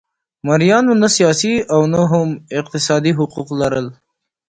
مریانو نه سیاسي او نه هم اقتصادي حقوق لرل.